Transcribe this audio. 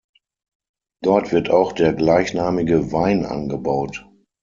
Dort wird auch der gleichnamige Wein angebaut.